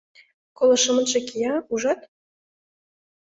— Коло шымытше кия, ужат?